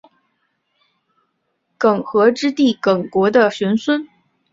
耿弇之弟耿国的玄孙。